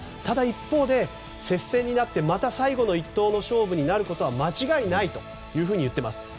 ただ一方で、接戦になってまた最後の一投の勝負になることは間違いないというふうに言っています。